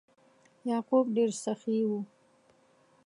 یعقوب ډیر سخي و.